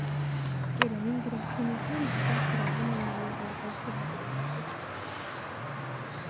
Կերային գրավչանյութերն հաճախ գրավում են նաև որպես ձվադրման սուբստրատ։